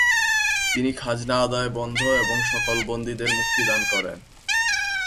তিনি খাজনা আদায় বন্ধ এবং সকল বন্দীদের মুক্তি দান করেন।